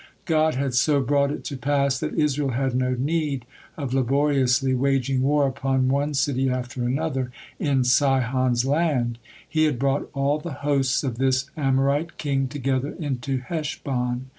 God had so brought it to pass that Israel had no need of laboriously waging war upon one city after another in Sihon's land, He had brought all the hosts of this Amorite king together into Heshbon.